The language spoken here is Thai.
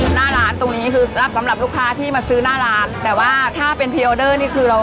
หน้าร้านตรงนี้คือรับสำหรับลูกค้าที่มาซื้อหน้าร้านแต่ว่าถ้าเป็นพรีออเดอร์นี่คือเรา